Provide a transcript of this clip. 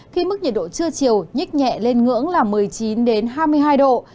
khi mức nhiệt độ trưa chiều nhích nhẹ lên ngưỡng là một mươi chín hai mươi hai độ